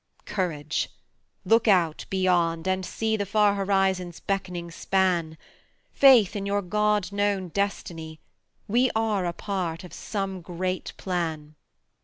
Courage! Look out, beyond, and see The far horizon's beckoning span! Faith in your God known destiny! We are a part of some great plan.